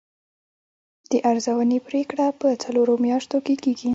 د ارزونې پریکړه په څلورو میاشتو کې کیږي.